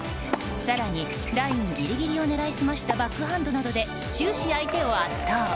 更にラインギリギリを狙い澄ましたバックハンドなどで終始、相手を圧倒。